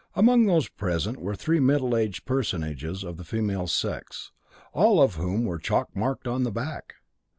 Among those present were three middle aged personages of the female sex, all of whom were chalk marked on the back.